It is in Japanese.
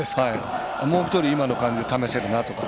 もう一人、今の感じで試せるなとか。